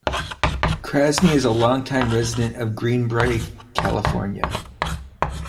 Krasny is a long-time resident of Greenbrae, California.